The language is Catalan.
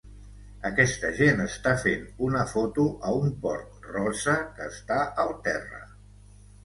Aquesta gent està fent una foto a un porc rosa que està al terra.